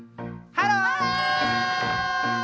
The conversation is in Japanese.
ハロー！